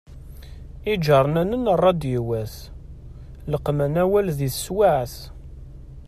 Iğernanen ṛṛadyuwat, leqmen awal di teswaԑt.